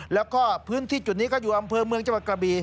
แล้วก็พื้นที่จุดนี้ก็อยู่อำเภอเมืองจังหวัดกระบี